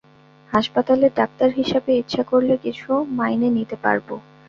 হাসপাতালের ডাক্তার হিসাবে ইচ্ছা করলে কিছু মাইনে নিতে পারব।